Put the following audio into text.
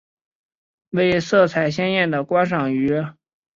为色彩鲜艳的观赏鱼。